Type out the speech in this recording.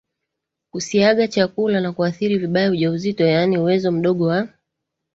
kusiaga chakula na kuathiri vibaya ujauzito yaani uwezo mdogo wa